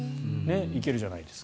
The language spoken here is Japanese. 行けるじゃないですか。